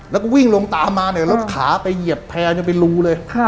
แล้วก็วิ่งลงตามมาเนี่ยแล้วขาไปเหยียบแพร่ยังเป็นรูเลย